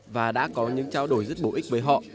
và đã có những trao đổi rất bổ ích với họ